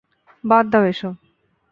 বাদ দাও এসব!